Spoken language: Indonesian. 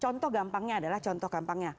contoh gampangnya adalah contoh gampangnya